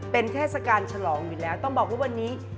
เป็นเทศกาลฉลองอยู่แล้วต้องบอกว่าวันนี้